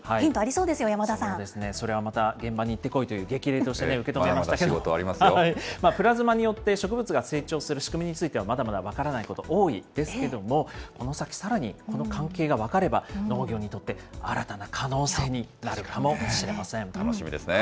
そうですね、それはまた現場に行ってこいという、激励と受けプラズマによって植物が成長する仕組みについては、まだまだ分からないこと、多いですけれども、この先、さらにこの関係が分かれば、農業にとって新たな可能楽しみですね。